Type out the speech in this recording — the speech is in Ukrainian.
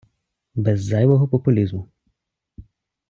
Без зайвого популізму.